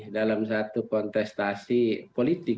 dalam satu kontestasi politik